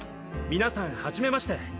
皆さんはじめまして。